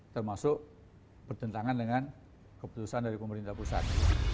termasuk bertentangan dengan keputusan dari pemerintah pusat